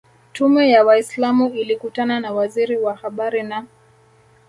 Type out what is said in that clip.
Tume ya waislamu ilikutana na Waziri wa Habari na